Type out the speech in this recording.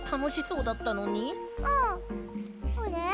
うん。あれ？